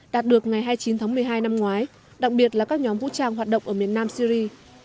đạt được ngày hai mươi chín tháng một mươi hai năm ngoái đặc biệt là các nhóm vũ trang hoạt động ở miền nam syri